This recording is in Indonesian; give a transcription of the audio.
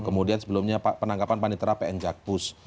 kemudian sebelumnya penangkapan panitera pn jakpus